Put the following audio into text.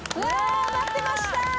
待ってました！